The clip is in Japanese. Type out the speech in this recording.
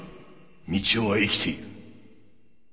三千代は生きている。